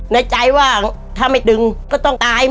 ในใจว่าถ้าไม่ดึงก็ต้องตาย